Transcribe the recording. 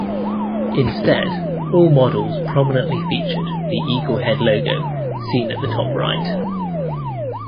Instead, all models prominently featured the Eagle head logo, seen at the top right.